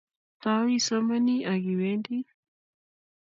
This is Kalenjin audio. Tau isomani akiwendii